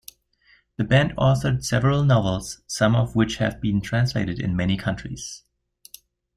The band authored several novels, some of which have been translated in many countries.